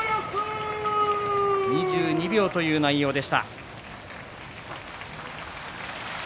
２２秒という内容でした。